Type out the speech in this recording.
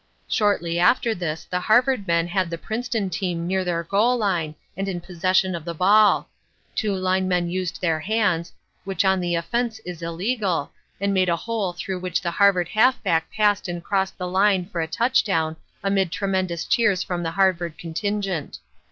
Shortly after this the Harvard men had the Princeton team near their goal line and in possession of the ball. Two linemen used their hands, which on the offense is illegal, and made a hole through which the Harvard halfback passed and crossed the line for a touchdown amid tremendous cheers from the Harvard contingent.